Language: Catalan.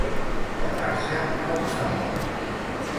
Quedar-se com fava.